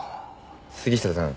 杉下さん。